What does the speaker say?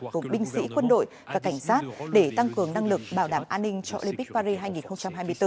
gồm binh sĩ quân đội và cảnh sát để tăng cường năng lực bảo đảm an ninh cho olympic paris hai nghìn hai mươi bốn